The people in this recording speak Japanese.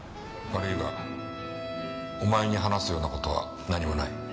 悪いがお前に話すような事は何もない。